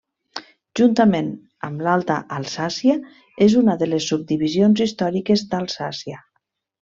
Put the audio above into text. Juntament amb l'Alta Alsàcia és una de les subdivisions històriques d'Alsàcia.